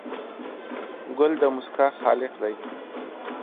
ګل د موسکا خالق دی.